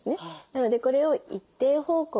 なのでこれを一定方向